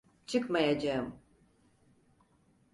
Çıkmayacağım.